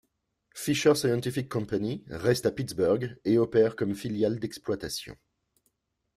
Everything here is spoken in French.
Fisher Scientific Company reste à Pittsburgh et opère comme filiale d'exploitation.